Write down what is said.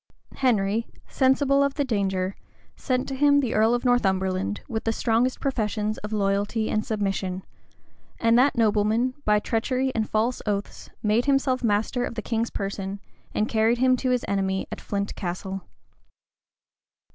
Henry, sensible of the danger, sent to him the earl of Northumberland, with the strongest professions of loyalty and submission; and that nobleman, by treachery and false oaths, made himself master of the king's person, and carried him to his enemy at Flint Castle.